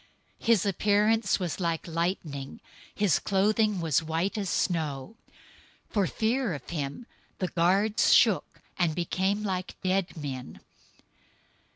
028:003 His appearance was like lightning, and his clothing white as snow. 028:004 For fear of him, the guards shook, and became like dead men.